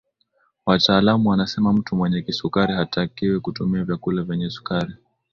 wataalamu wanasema mtu mwenye kisukari hatakiwi kutumia vyakula vyenye sukari